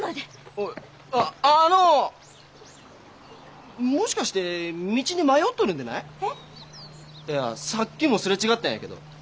おいああのもしかして道に迷っとるんでない？え？いやさっきもすれ違ったんやけど。